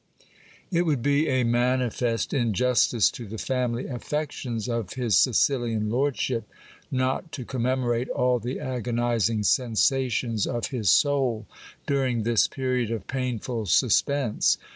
It would be a manifest injustice to the family affections of his Sicilian lord ship, not to commemorate all the agonizing sensations of his soul during this period of painful suspense.